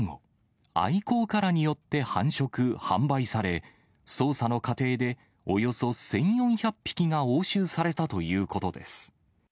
愛好家らによって繁殖・販売され、捜査の過程で、およそ１４００匹が押収されたということです。